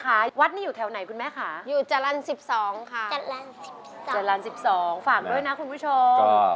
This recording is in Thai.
เขาก็กระตั้นอยู่กับคุณแม่จริงนี่นะ